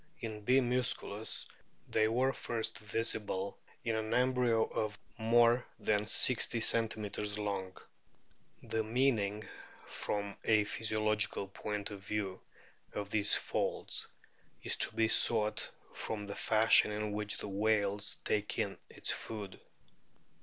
In B. muscnlus they were first visible in an embryo of more than 60 cm. long. The meaning from a physio logical point of view of these folds is to be sought A BOOK OF~ WHALES i from the fashion in which the whale takes in its food.